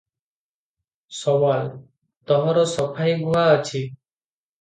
ସୱାଲ -ତୋହର ସଫାଇ ଗୁହା ଅଛି?